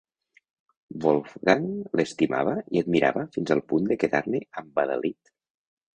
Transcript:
Wolfgang l'estimava i admirava fins al punt de quedar-ne embadalit.